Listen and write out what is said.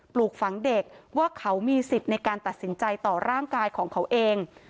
ปลูกฝังเด็กว่าเขามีสิทธิ์ในการตัดสินใจต่อร่างกายของเขาเอง